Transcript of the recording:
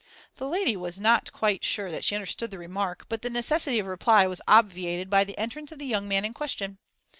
The lady was not quite sure that she understood the remark, but the necessity of reply was obviated by the entrance of the young man in question.